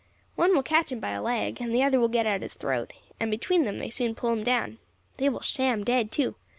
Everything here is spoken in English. One will catch him by a leg, and the other will get at his throat, and between them they soon pull him down. They will sham dead too.